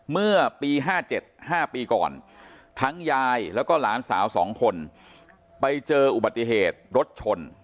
เมื่อปี๕๗๕ปีก่อนทั้งยายแล้วก็หลานสาว๒คนไปเจออุบัติเหตุรถชน